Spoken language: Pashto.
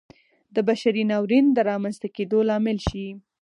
د بشري ناورین د رامنځته کېدو لامل شي.